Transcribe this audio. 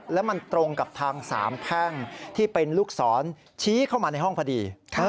แล้วมันตรงกับทางสามแพ่งที่เป็นลูกศรชี้เข้ามาในห้องพอดี